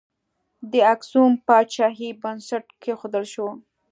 د اکسوم پاچاهۍ بنسټ کښودل شو.